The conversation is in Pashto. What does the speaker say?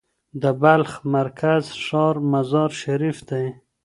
د بلخ مرکزي ښار مزار شریف دی.